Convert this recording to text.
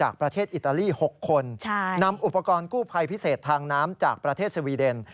การกู้ภัยพิเศษทางน้ำจากประเทศสวีเดน